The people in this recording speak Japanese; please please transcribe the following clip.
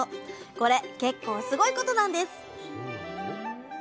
これ結構すごいことなんですそうなの？